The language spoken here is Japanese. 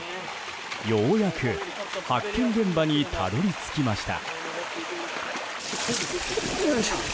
ようやく発見現場にたどり着きました。